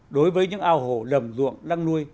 đối với những ao hồ đầm ruộng đang nuôi